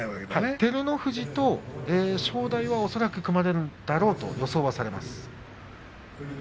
照ノ富士、正代は恐らく組まれるんだろうと予想はされます。